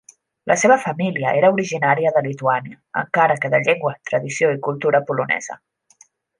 La seva família era originària de Lituània, encara que de llengua, tradició i cultura polonesa.